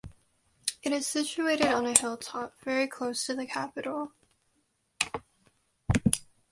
It is situated on a hilltop, very close to the capital.